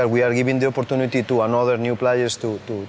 เขาบอกว่าก็จะเป็นความรู้สึกอีกอย่างหนึ่งที่แตกต่างกันนะครับเขาก็เลยต้องหาเวลานะครับ